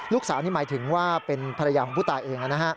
นี่หมายถึงว่าเป็นภรรยาของผู้ตายเอง